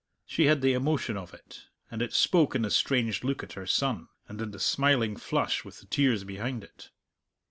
She had the emotion of it; and it spoke in the strange look at her son, and in the smiling flush with the tears behind it.